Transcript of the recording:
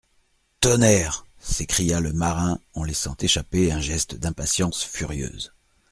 Tonnerre ! s'écria le marin en laissant échapper un geste d'impatience furieuse.